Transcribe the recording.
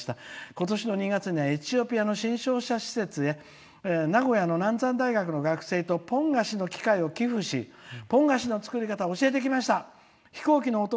今年の２月にはエチオピアの身障者施設に名古屋の大学のみんなとポン菓子の機械を寄付しポン菓子の作り方を教えてきました。